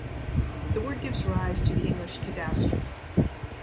The word gives rise to the English "cadastre".